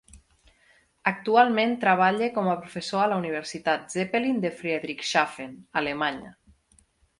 Actualment treballa com a professor a la Universitat Zeppelin de Friedrichshafen, Alemanya.